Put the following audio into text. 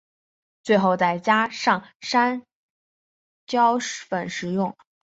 最后再加上山椒粉食用。